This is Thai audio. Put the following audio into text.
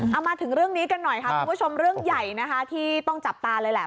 เอามาถึงเรื่องนี้กันหน่อยค่ะคุณผู้ชมเรื่องใหญ่นะคะที่ต้องจับตาเลยแหละ